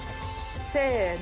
せの。